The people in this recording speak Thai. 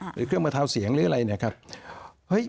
หรือเครื่องมือเทาเสียงหรืออะไร